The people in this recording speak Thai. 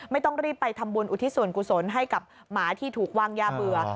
ไม่ต้องรีบไปทำบุญอุทิศส่วนกุศลให้กับหมาที่ถูกวางยาเบื่อ